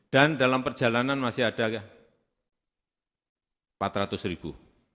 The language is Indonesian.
dan dalam perjalanan masih ada empat ratus ribu